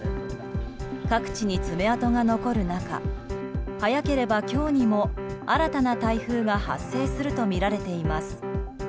各地に爪痕が残る中早ければ今日にも新たな台風が発生するとみられています。